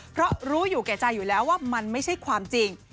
เพราะรู้อยู่แก่ใจอยู่แล้วว่ามันไม่ใช่ความจริง